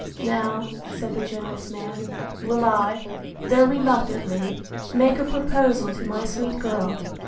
Now, said the generous man, will I, though reluctantly, make a proposal to my sweet girl.